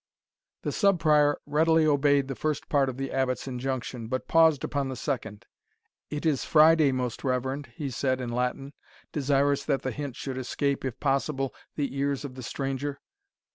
The Sub Prior readily obeyed the first part of the Abbot's injunction, but paused upon the second "It is Friday, most reverend," he said in Latin, desirous that the hint should escape, if possible, the ears of the stranger.